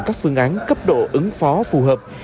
các phương án cấp độ ứng phó phù hợp